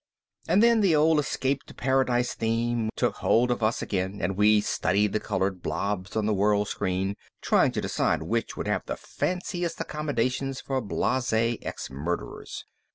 And then the old escape to paradise theme took hold of us again and we studied the colored blobs on the World screen, trying to decide which would have the fanciest accommodations for blase ex murderers.